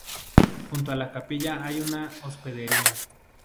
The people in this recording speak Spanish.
Junto a la capilla hay una hospedería.